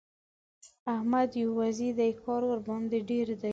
احمد يو وزری دی؛ کار ورباندې ډېر دی.